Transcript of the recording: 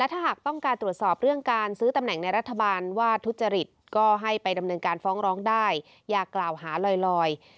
ถ้าหากต้องการตรวจสอบเรื่องการซื้อตำแหน่งในรัฐบาลว่าทุจริตก็ให้ไปดำเนินการฟ้องร้องได้อย่ากล่าวหาลอย